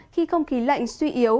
khi không khí lạnh suy yếu